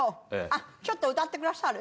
あちょっと歌って下さる？